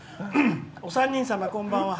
「お三人様、こんばんは。